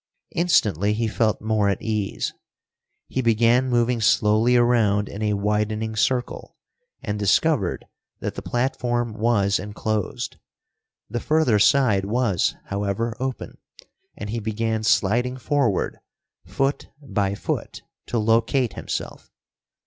Instantly he felt more at ease. He began moving slowly around in a widening circle, and discovered that the platform was enclosed. The further side was, however, open, and he began sliding forward, foot by foot, to locate himself.